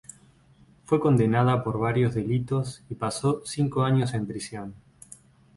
Fue condenada por varios delitos y pasó cinco años en prisión.